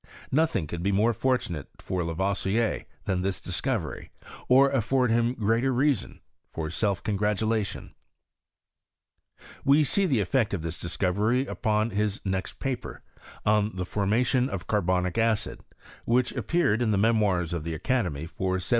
Nothing could be more fortunate for Lavoisier than this discovery, or afford him greater reason for self congratulation. "VVe see the effect of this discovery upon his next i2 116 BisioKT or CHSMiarmT. pftfieT, ^ Ob the Fonnatkn of Carbonic Acid," whuji wfwttied in the Memoirs of the Academy, for 1781.